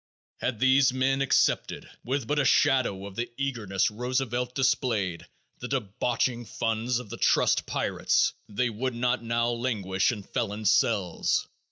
Had these men accepted, with but a shadow of the eagerness Roosevelt displayed, the debauching funds of the trust pirates, they would not now languish in felons' cells.